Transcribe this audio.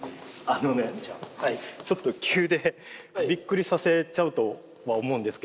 あのねちょっと急でびっくりさせちゃうとは思うんですけど。